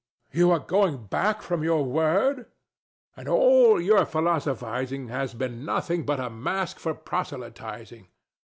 You are going back from your word. [To Don Juan] And all your philosophizing has been nothing but a mask for proselytizing!